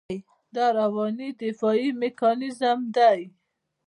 دا رواني دفاعي میکانیزم دی.